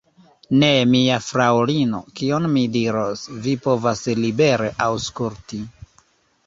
Ne, mia fraŭlino, kion mi diros, vi povas libere aŭskulti.